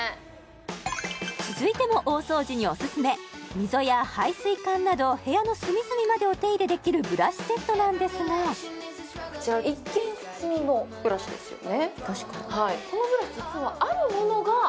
続いても大掃除にオススメ溝や排水管など部屋の隅々までお手入れできるブラシセットなんですがこちら一見普通のブラシですよね